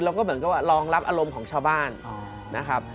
แล้วก็เหมือนกับว่ารองรับอารมณ์ของชาวบ้านนะครับ